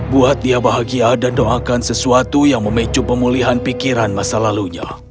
buat dia bahagia dan doakan sesuatu yang memicu pemulihan pikiran masa lalunya